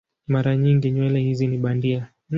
Mara nyingi nywele hizi ni bandia.